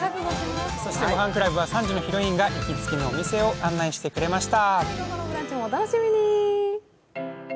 ごはんクラブは３時のヒロインが行きつけの店を案内してくれました。